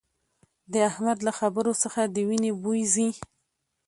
د احمد له خبرو څخه د وينې بوي ځي